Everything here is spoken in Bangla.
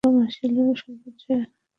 ব্যারি বলে পরিবর্তনের সময় হয়েছে।